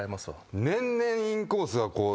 年々インコースがこう。